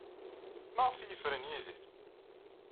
Maɣef ay yefren Yidir?